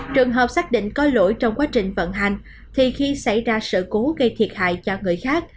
trường hợp xác định có lỗi trong quá trình vận hành thì khi xảy ra sự cố gây thiệt hại cho người khác